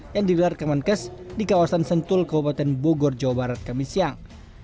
yang dilihat pak menkes di kawasan sentul kabupaten bogor jawa barat kami siang